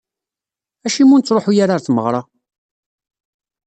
Acimi ur nettruḥu ara ɣer tmeɣra?